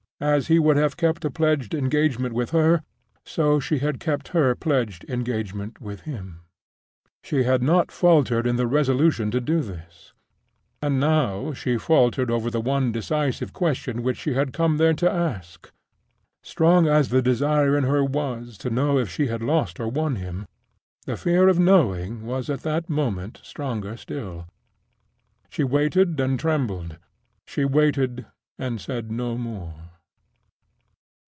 As he would have kept a pledged engagement with her, so she had kept her pledged engagement with him. She had not faltered in the resolution to do this; and now she faltered over the one decisive question which she had come there to ask. Strong as the desire in her was to know if she had lost or won him, the fear of knowing was at that moment stronger still. She waited and trembled; she waited, and said no more.